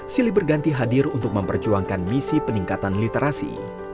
silih berganti hadir untuk memperjuangkan misi peningkatan literasi